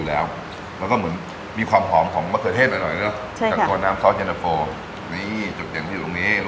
แล้วเนื้อปลาของลูกชิ้นเนี่ยมันก็หวานมากเลย